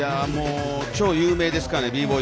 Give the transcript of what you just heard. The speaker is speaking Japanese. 超有名ですからねＢＢＯＹ